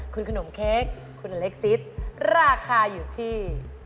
คุณขนมเค้กคุณเล็กซิสราคาอยู่ที่